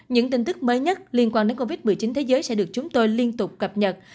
những tin tức mới nhất liên quan đến covid một mươi chín thế giới sẽ được chúng tôi liên tục cập nhật